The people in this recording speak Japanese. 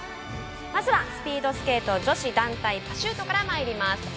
まずはスピードスケート女子団体パシュートからまいります。